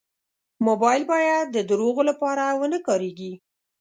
موبایل باید د دروغو لپاره و نه کارېږي.